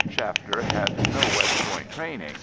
Shafter had no West Point training.